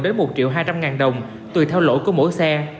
đến một hai trăm linh đồng tùy theo lỗi của mỗi xe